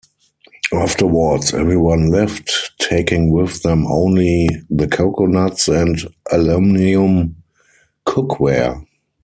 Afterwards, everyone left, taking with them only the coconuts and aluminium cookware.